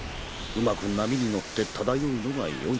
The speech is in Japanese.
うまく波に乗って漂うのがよい。